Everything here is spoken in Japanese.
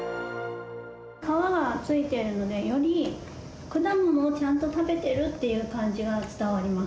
皮が付いているので、より果物をちゃんと食べてるって感じが伝わります。